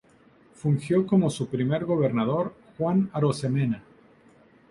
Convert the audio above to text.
Fungió como su primer gobernador Juan Arosemena.